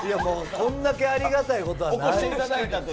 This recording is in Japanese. こんだけありがたいことはない。